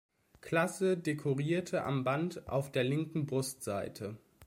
Klasse dekorierte am Band auf der linken Brustseite.